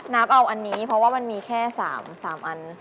เอาอันนี้เพราะว่ามันมีแค่๓อัน